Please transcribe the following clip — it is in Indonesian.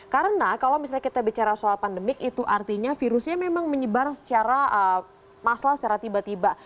karena kalau misalnya kita bicara soal pandemik itu artinya virusnya memang menyebar secara massal secara tiba tiba